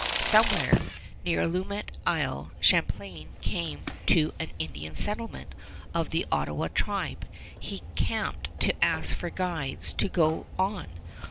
Somewhere near Allumette Isle, Champlain came to an Indian settlement of the Ottawa tribe. He camped to ask for guides to go on.